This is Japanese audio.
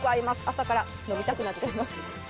朝から飲みたくなっちゃいます。